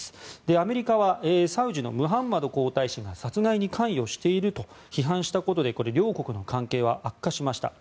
アメリカはサウジのムハンマド皇太子が殺害に関与していると批判したことで両国の関係は悪化しました。